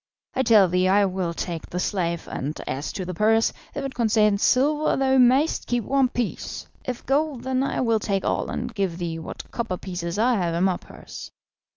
I tell thee I will take the slave, and as to the purse, if it contains silver thou mayst keep one piece, if gold then I will take all and give thee what copper pieces I have in my purse."